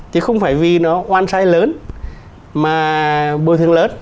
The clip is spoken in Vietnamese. chứ không phải vì nó oan sai lớn mà bồi thương lớn